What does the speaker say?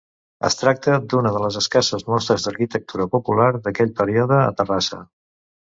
Es tracta d'una de les escasses mostres d'arquitectura popular d'aquell període a Terrassa.